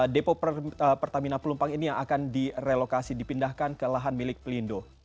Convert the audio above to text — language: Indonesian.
depo pertamina pelumpang ini yang akan direlokasi dipindahkan ke lahan milik pelindo